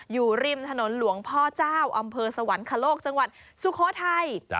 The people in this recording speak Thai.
อยู่ริมถนนหลวงพ่อเจ้าอำเภอสวรรคโลกจังหวัดสุโขทัย